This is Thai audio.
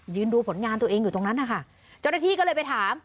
ดูผลงานตัวเองอยู่ตรงนั้นนะคะเจ้าหน้าที่ก็เลยไปถาม